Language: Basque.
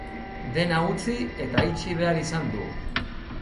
Dena utzi eta itxi behar izan du.